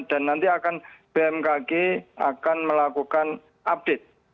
dan nanti akan bmkg akan melakukan update